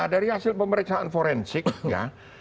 dari hasil pemeriksaan forensik ya